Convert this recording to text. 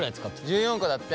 １４個だって。